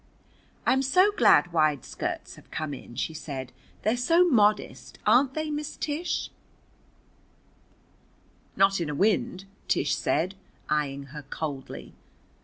"I'm so glad wide skirts have come in," she said. "They're so modest, aren't they, Miss Tish?" "Not in a wind," Tish said, eying her coldly.